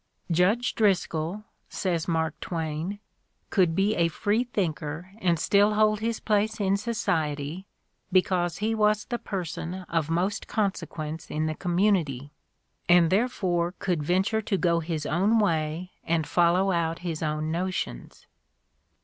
"Judge Driscoll," says Mark Twain, "could be a free thinker and still hold his place in society, because he was the person of most consequence in the community, and there fore could venture to go his own way and follow out his own notions."